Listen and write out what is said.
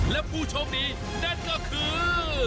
และผู้โชคดีนั่นก็คือ